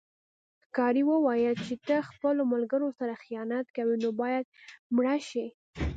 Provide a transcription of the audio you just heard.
ښکاري وویل چې ته خپلو ملګرو سره خیانت کوې نو باید مړه شې.